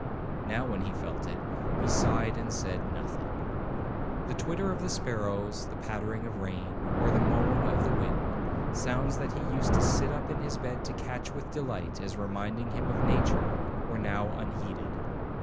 Now when he felt it, he sighed and said nothing. The twitter of the sparrows, the pattering of rain, or the moan of the wind, sounds that he used to sit up in his bed to catch with delight, as reminding him of nature, were now unheeded.